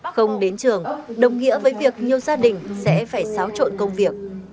không đến trường đồng nghĩa với việc nhiều gia đình sẽ phải xáo trộn công việc